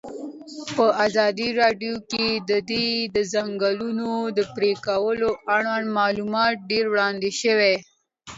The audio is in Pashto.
په ازادي راډیو کې د د ځنګلونو پرېکول اړوند معلومات ډېر وړاندې شوي.